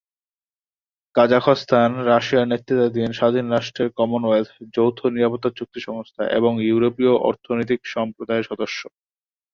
কাজাখস্তান রাশিয়ার নেতৃত্বাধীন স্বাধীন রাষ্ট্রের কমনওয়েলথ, যৌথ নিরাপত্তা চুক্তি সংস্থা এবং ইউরেশীয় অর্থনৈতিক সম্প্রদায়ের সদস্য।